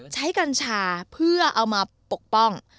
กัญชาเพื่อเอามาปกป้อง